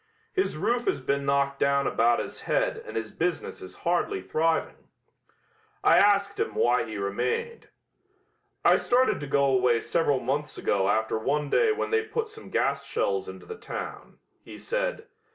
His roof has been knocked down about his head and his business is hardly thriving. I asked him why he remained. "I started to go away several months ago after one day when they put some gas shells into the town," he said.